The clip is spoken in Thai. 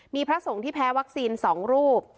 มีพระสงฆ์ที่แพ้วัคซีน๒รูป